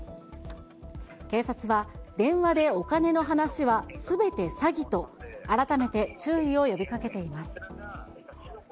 警察は、電話でお金の話はすべて詐欺と、改めて注意を呼びかけています。